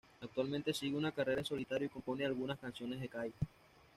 Actualmente sigue una carrera en solitario y compone algunas canciones de "Kaya".